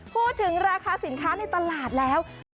พูดถึงราคาสินค้าในตลาดแล้ว